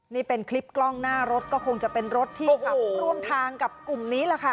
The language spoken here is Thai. นี่เป็นคลิปกล้องหน้ารถก็คงจะเป็นรถที่ขับร่วมทางกับกลุ่มนี้แหละค่ะ